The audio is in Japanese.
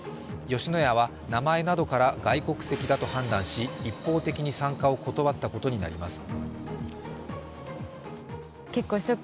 吉野家は、名前などから外国籍だと判断し、一方的に参加を断ったことになります。